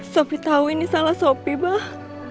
sopi tahu ini salah sopi bah